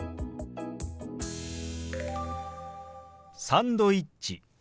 「サンドイッチ」。